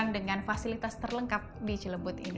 dengan fasilitas terlengkap di cilebut ini